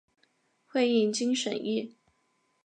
会议经审议